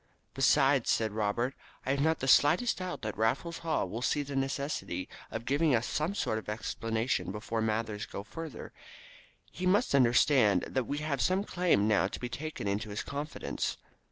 "Besides," said Robert, "I have not the slightest doubt that Raffles Haw will see the necessity for giving us some sort of explanation before matters go further. He must understand that we have some claim now to be taken into his confidence."